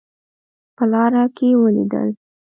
په لاره کې ولیدل.